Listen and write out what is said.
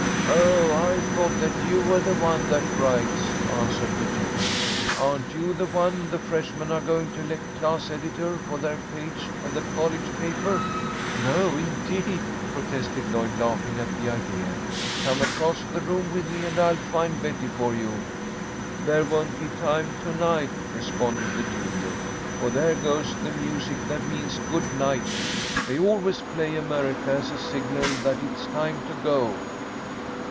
"Oh, I thought that you were the one that writes," answered the junior. "Aren't you the one the freshmen are going to elect class editor for their page of the college paper?" "No, indeed!" protested Lloyd, laughing at the idea. "Come across the room with me and I'll find Betty for you." "There won't be time to night," responded the junior, "for there goes the music that means good night. They always play 'America' as a signal that it's time to go."